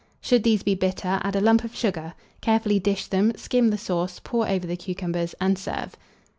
Should these be bitter, add a lump of sugar; carefully dish them, skim the sauce, pour over the cucumbers, and serve.